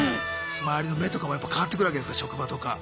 周りの目とかもやっぱ変わってくるわけですか職場とか。